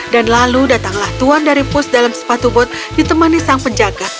lalu datanglah tuan dari pus dalam sepatu bot ditemani sang penjaga